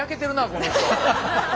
この人。